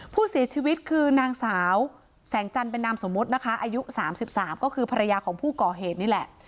ผู้เสียชีวิตคือนางสาวแสงจันทร์เป็นนามสมมุตินะคะอายุ๓๓ก็คือภรรยาของผู้ก่อเหตุนี่แหละ